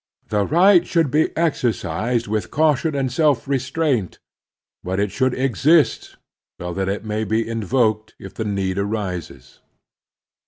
The right should be exercised with caution and self National Duties 271 restraint; but it should exist, so that it may be invoked if the need arises.